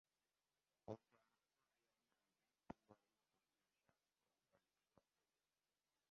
Oltiariqda ayolni aldab pullarini olgan shaxs javobgarlikka tortildi